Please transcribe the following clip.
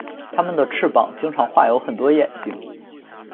他们的翅膀经常画有很多眼睛。